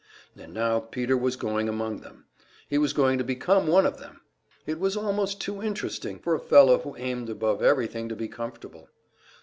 And now Peter was going among them, he was going to become one of them! It was almost too interesting, for a fellow who aimed above everything to be comfortable.